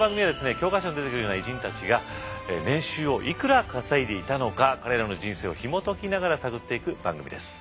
教科書に出てくるような偉人たちが年収をいくら稼いでいたのか彼らの人生をひも解きながら探っていく番組です。